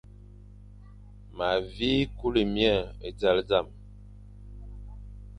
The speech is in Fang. Ma vi kule mie e zal dam,